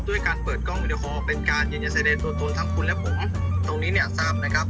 ด้วยการเปิดกล้องวิดีโอคอลเป็นการยืนยันแสดงตัวตนทั้งคุณและผมตรงนี้เนี่ยทราบนะครับ